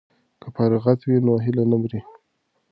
که فراغت وي نو هیله نه مري.